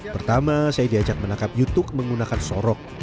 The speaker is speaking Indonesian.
pertama saya diajak menangkap youtuck menggunakan sorok